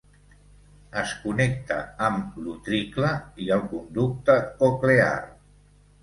Es connecta amb l'utricle i el conducte coclear.